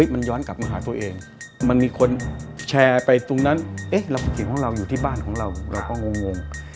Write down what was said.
มันย้อนกลับมาหาตัวเองมันมีคนแชร์ไปตรงนั้นเราเก่งของเราอยู่ที่บ้านของเราเราก็งง